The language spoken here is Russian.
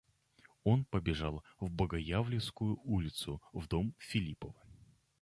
Он побежал в Богоявленскую улицу, в дом Филиппова.